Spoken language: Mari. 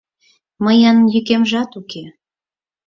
Мыйын йӱкемжат уке...